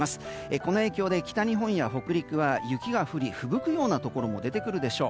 この影響で北日本や北陸は雪が降りふぶくようなところも出てくるでしょう。